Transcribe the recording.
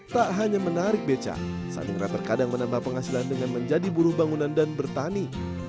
tak hanya menarik beca sanira terkadang menambah penghasilan dengan menjadi buruh bangunan dan bertani